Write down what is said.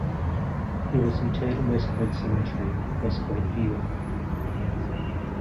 He was interred in West Point Cemetery, West Point, New York.